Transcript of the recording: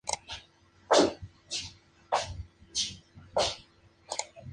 Número Extraordinario.